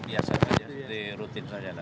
nggak ada seperti biasa seperti rutin saja